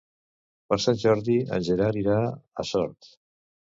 Per Sant Jordi en Gerard irà a Sort.